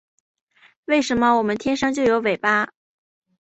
为什么我们天生就有尾巴